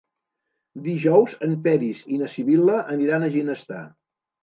Dijous en Peris i na Sibil·la aniran a Ginestar.